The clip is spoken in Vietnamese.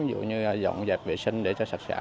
dụ như dọn dẹp vệ sinh để cho sạch sẽ